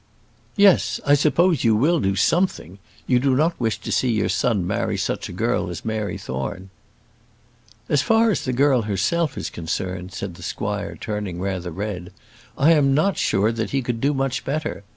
"Yes; I suppose you will do something: you do not wish to see your son marry such a girl as Mary Thorne." "As far as the girl herself is concerned," said the squire, turning rather red, "I am not sure that he could do much better.